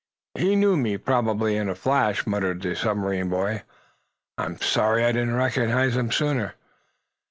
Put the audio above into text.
"He knew me, probably, in a flash," muttered the submarine boy. "I'm sorry I didn't recognize him sooner."